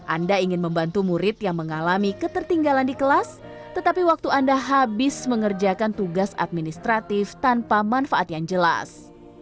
anda ingin membantu murid yang mengalami ketertinggalan di kelas tetapi waktu anda habis mengerjakan tugas administratif tanpa manfaat yang jelas